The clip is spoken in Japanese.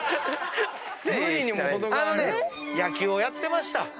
野球をやってました。